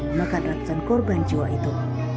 dan memakan ratusan korban jiwa itu